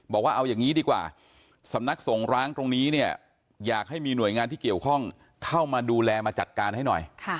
บอกว่าเอาอย่างนี้ดีกว่าสำนักสงร้างตรงนี้เนี่ยอยากให้มีหน่วยงานที่เกี่ยวข้องเข้ามาดูแลมาจัดการให้หน่อย